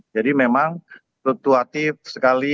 jadi memang flutuatif sekali